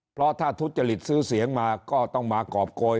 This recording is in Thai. เพราะถ้าทุจริตซื้อเสียงมาก็ต้องมากรอบโกย